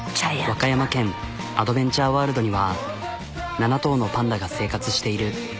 和歌山県アドベンチャーワールドには７頭のパンダが生活している。